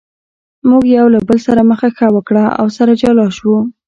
موږ یو له بل سره مخه ښه وکړه او سره جلا شوو.